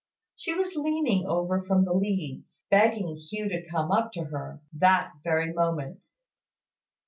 She was leaning over from the leads, begging Hugh to come up to her, that very moment.